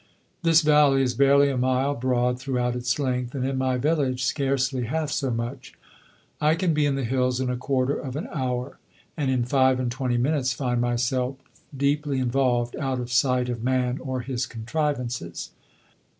This valley is barely a mile broad throughout its length, and in my village scarcely half so much. I can be in the hills in a quarter of an hour, and in five and twenty minutes find myself deeply involved, out of sight of man or his contrivances.